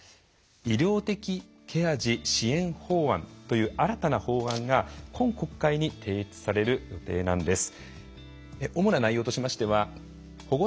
医療的ケア児支援法案という新たな法案が今国会に提出される予定なんです。